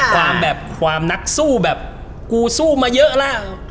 ความแบบความนักสู้แบบกูสู้มาเยอะแล้ว